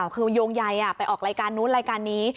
คือโยงใยไปออกรายการนู้นรายการนี้